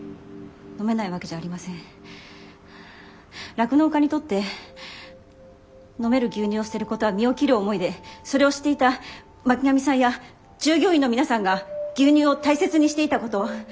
酪農家にとって飲める牛乳を捨てることは身を切る思いでそれを知っていた巻上さんや従業員の皆さんが牛乳を大切にしていたこと。